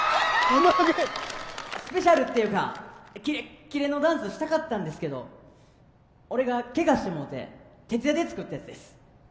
スペシャルっていうかキレッキレのダンスしたかったんですけど俺がケガしてもうて徹夜で作ったやつです